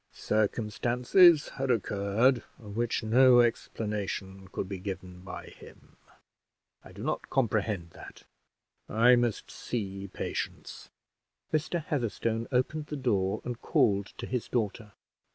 "'Circumstances had occurred of which no explanation could be given by him.' I do not comprehend that I must see Patience." Mr. Heatherstone opened the door, and called to his daughter.